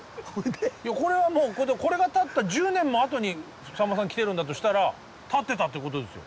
これはもうこれが建った１０年も後にさんまさん来てるんだとしたら建ってたってことですよ。